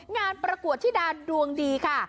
งานปรากฏที่ดาดดวงดีค่ะ